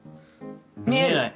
見えない。